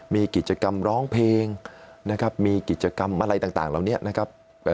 มีกิจกรรมร้องเพลงนะครับมีกิจกรรมอะไรต่างเหล่านี้นะครับ